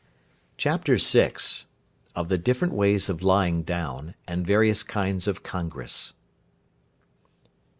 CHAPTER VI. OF THE DIFFERENT WAYS OF LYING DOWN, AND VARIOUS KINDS OF CONGRESS.